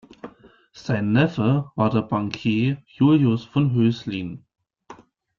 Sein Neffe war der Bankier Julius von Hößlin.